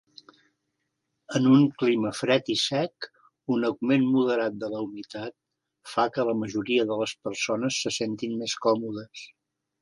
En un clima fred i sec, un augment moderat de la humitat fa que la majoria de les persones se sentin més còmodes.